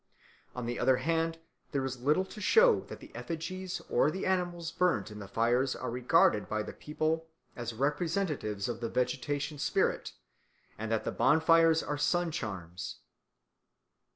On the other hand there is little to show that the effigies or the animals burnt in the fires are regarded by the people as representatives of the vegetation spirit, and that the bonfires are sun charms.